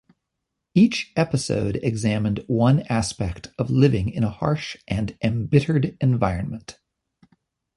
Each episode examined one aspect of living in a harsh and embittered environment.